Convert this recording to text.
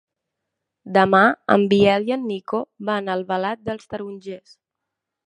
Demà en Biel i en Nico van a Albalat dels Tarongers.